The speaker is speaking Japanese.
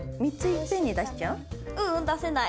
ううん出せない。